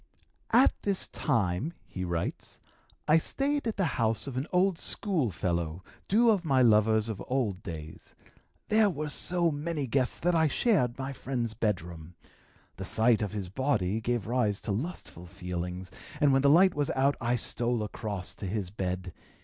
"At this time," he writes, "I stayed at the house of an old school fellow, due of my lovers of old days. There were so many guests that I shared my friend's bedroom. The sight of his body gave rise to lustful feelings, and when the light was out I stole across to his bed.